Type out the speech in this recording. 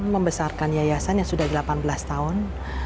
membesarkan yayasan yang sudah delapan belas tahun